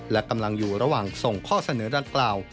และกำลังอยู่ระหว่างส่งข้อเสนอดังกล่าว